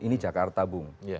ini jakarta bung